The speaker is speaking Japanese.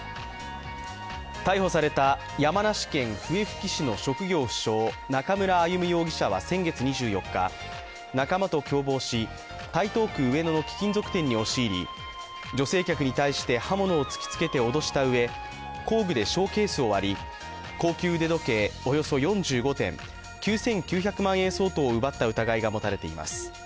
逮捕された山梨県笛吹市の職業不詳、中村歩武容疑者は先月２４日、仲間と共謀し、台東区上野の貴金属店に押し入り女性客に対して刃物を突きつけて脅したうえ工具でショーケースを割り、高級腕時計およそ４５点、９９００万円相当を奪った疑いが持たれています。